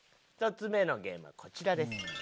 １つ目のゲームはこちらです。